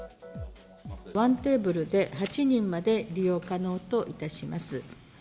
１テーブルで８人まで利用可能といたします。